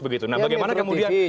nah bagaimana kemudian